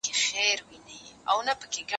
زه به اوږده موده موټر کار کر وم؟!